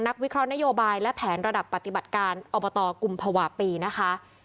วิเคราะห์นโยบายและแผนระดับปฏิบัติการอบตกุมภาวะปีนะคะ